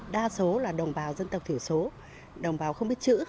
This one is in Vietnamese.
đa số là đồng bào dân tộc thiểu số đồng bào không biết chữ